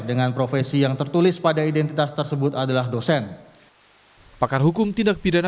dengan profesi yang tertulis pada identitas tersebut adalah dosen